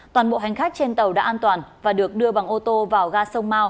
toàn bộ hành khách trên tàu đã an toàn và được đưa bằng ô tô vào ga sông mau